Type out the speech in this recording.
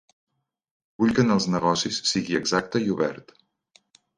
Vull que en els negocis sigui exacte i obert.